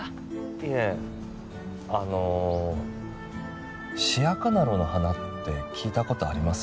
いえあのシヤカナローの花って聞いたことあります？